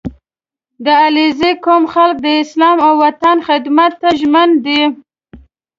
• د علیزي قوم خلک د اسلام او وطن خدمت ته ژمن دي.